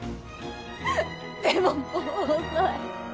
でももう遅い。